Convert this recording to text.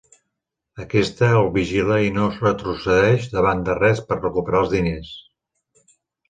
Aquesta el vigila i no retrocedeix davant de res per recuperar els diners.